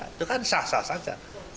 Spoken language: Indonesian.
itu kan sah sah saja